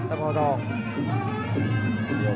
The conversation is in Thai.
ตำรวจทอง